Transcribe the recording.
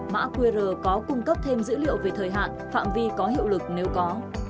mã qr có cung cấp thêm dữ liệu về thời hạn phạm vi có hiệu lực nếu có